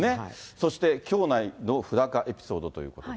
そして、兄弟の不仲エピソードということで。